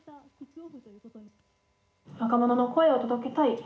若者の声を届けたい。